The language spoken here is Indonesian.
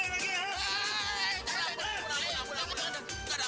kenapa enggak enak apa yang beli kalau enak